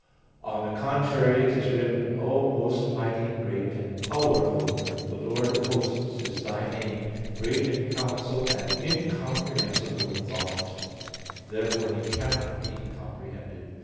On the contrary, It is written: "O most mighty, great, and powerful, the Lord of hosts is Thy Name. Great in counsel, and incomprehensible in thought" (Jer. 32:18,19). Therefore He cannot be comprehended.